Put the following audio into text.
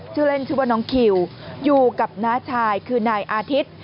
ชื่อเล่นชื่อว่าน้องคิวอยู่กับน้าชายคือนายอาทิตย์